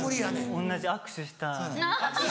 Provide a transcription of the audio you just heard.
同じ握手したい。